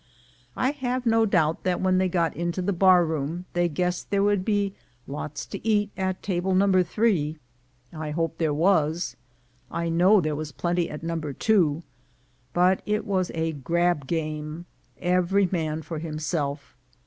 I have no doubt that when they got into the bar room they guessed there would be lots to eat at table number three; I hope there was. I know there was plenty at number two; but it was a "grab game" — every man for himself.